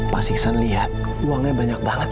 pas iksan lihat uangnya banyak banget